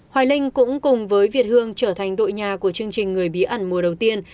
hoài linh cũng cùng với việt hương trở thành đội nhà của chương trình người bí ẩn mùa đầu tiên